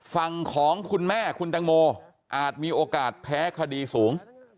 ฝั่งของคุณแม่คุณตังโมอาจมีโอกาสแพ้คดีสูง